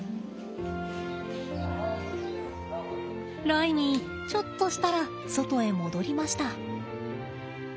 ライミーちょっとしたら外へ戻りました。